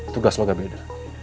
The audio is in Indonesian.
tugas lo gak beda